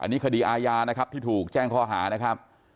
อันนี้คดีอาญานะครับที่ถูกแจ้งข้อหานะครับ